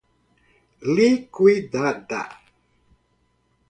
liquidada